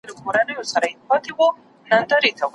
خو هستي یې نه درلوده ډېر نېسمتن وه